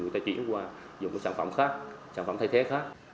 người ta chuyển qua dùng cái sản phẩm khác sản phẩm thay thế khác